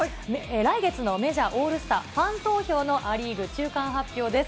来月のメジャーオールスターファン投票のア・リーグ中間発表です。